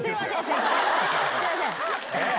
すいません。